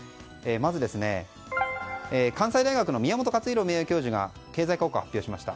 関西大学の宮本勝浩名誉教授が経済効果を発表しました。